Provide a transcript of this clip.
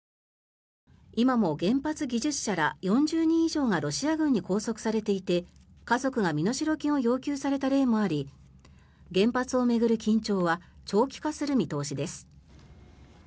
今も原発技術者ら４０人以上がロシア軍に拘束されていて家族が身代金を要求された例もあり原発を巡る緊張は長期化する見通しです。